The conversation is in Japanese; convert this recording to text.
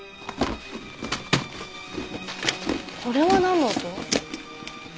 これはなんの音？